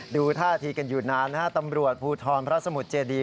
ดูท่าทีกันอยู่นานนะฮะตำรวจภูทรพระสมุทรเจดี